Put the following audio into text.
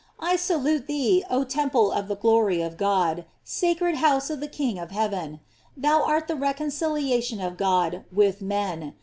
I salute thee, oh temple of the glory of God, sacred house of the King of Hea Ten. Thou art the reconciliation of God with men.